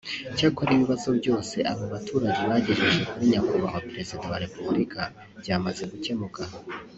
Cyakora ibibazo byose abo baturage bagejeje kuri Nyakubahwa Perezida wa Repubulika byamaze gukemuka